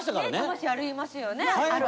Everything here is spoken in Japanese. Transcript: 魂ありますよね。